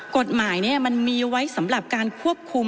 กฏหมายนี้มีไว้จำประการควบคุม